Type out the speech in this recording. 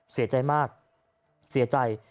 เสียใจมากเสียใจ